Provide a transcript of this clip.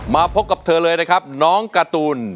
มาพบกับเธอเลยนะครับน้องการ์ตูน